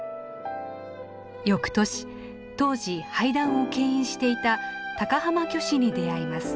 翌年当時俳壇をけん引していた高浜虚子に出会います。